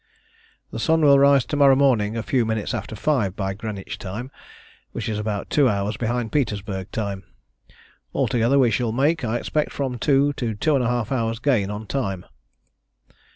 "The sun will rise to morrow morning a few minutes after five by Greenwich time, which is about two hours behind Petersburg time. Altogether we shall make, I expect, from two to two and a half hours' gain on time."